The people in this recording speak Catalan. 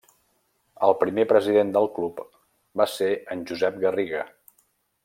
El primer president del club va ser en Josep Garriga.